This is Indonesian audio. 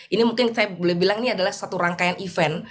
ini mungkin saya boleh bilang ini adalah satu rangkaian event